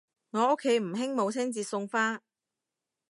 我屋企唔興母親節送花